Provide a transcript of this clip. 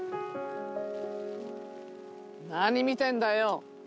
何見てんだよ？